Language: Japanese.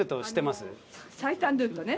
最短ルートね。